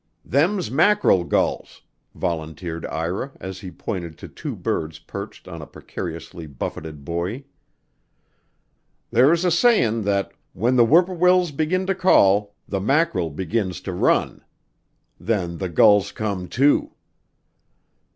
"Them's mackerel gulls," volunteered Ira as he pointed to two birds perched on a precariously buffeted buoy. "There's a sayin' that 'When the whippoorwills begin to call, the mackerel begins to run' then the gulls come, too."